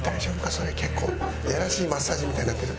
それ結構イヤらしいマッサージみたいになってる。